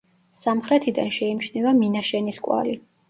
სამხრეთიდან შეიმჩნევა მინაშენის კვალი.